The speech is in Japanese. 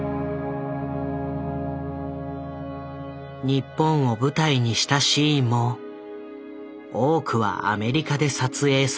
日本を舞台にしたシーンも多くはアメリカで撮影されていた。